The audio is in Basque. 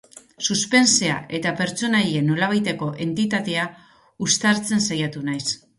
Suspensea eta pertsonaien nolabaiteko entitatea uztartzen saiatu naiz.